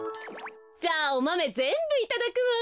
じゃあおマメぜんぶいただくわ。